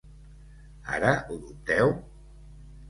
Ara ho dubteu?